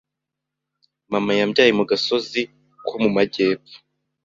Mama yambyaye mu gasozi ko mu majyepfo